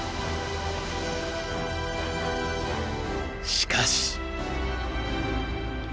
しかし。